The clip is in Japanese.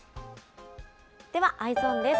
ではＥｙｅｓｏｎです。